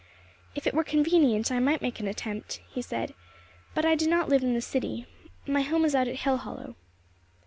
"If it were convenient I might make the attempt," he said. "But I do not live in the city. My home is out at Hillhollow."